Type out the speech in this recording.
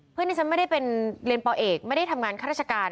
ที่ฉันไม่ได้เป็นเรียนปเอกไม่ได้ทำงานข้าราชการ